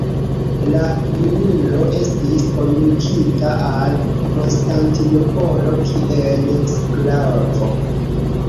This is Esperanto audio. La junulo estis kondukita al Konstantinopolo kiel sklavo.